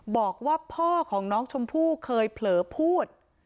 บอกว่าพ่อของน้องชมพู่เคยเผลอพูด